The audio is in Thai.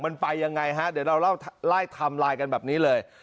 มันไปยังไงฮะเดี๋ยวเราไล่ไทม์ไลน์กันแบบนี้เลย